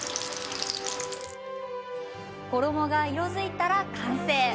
衣が色づいたら完成。